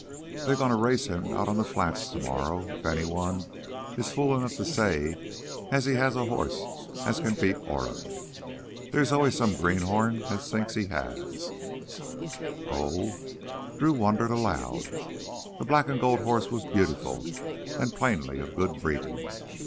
They's gonna race him out on th' flats tomorrow if anyone is fool 'nough to say as he has a hoss as can beat Oro. Thar's always some greenhorn as thinks he has—" "Oh?" Drew wondered aloud. The black and gold horse was beautiful and plainly of good breeding.